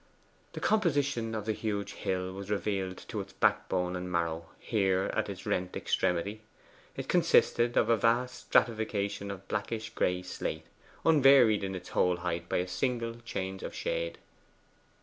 The composition of the huge hill was revealed to its backbone and marrow here at its rent extremity. It consisted of a vast stratification of blackish gray slate, unvaried in its whole height by a single change of shade.